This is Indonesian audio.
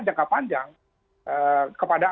jangka panjang kepada